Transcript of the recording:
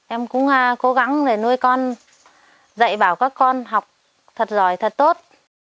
em cũng cố gắng để nuôi con dạy bảo các con học thật giỏi thật tốt